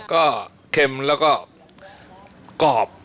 ก็เค็มแล้วก็กรอบ